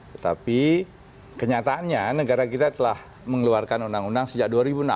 tetapi kenyataannya negara kita telah mengeluarkan undang undang sejak dua ribu enam belas